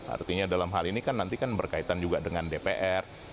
artinya dalam hal ini kan nanti kan berkaitan juga dengan dpr